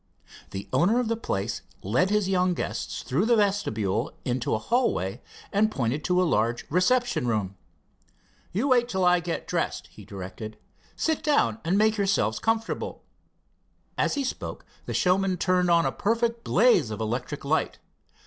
The owner of the place led his young guests through the vestibule into a hallway, and pointed to a large reception room. "You wait till I get dressed," he directed. "Sit down, and make yourself comfortable." As he spoke the showman turned on a perfect blaze of electric light.